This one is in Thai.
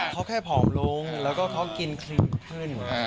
เขาแค่ผอมลงแล้วก็เขากินครีมขึ้น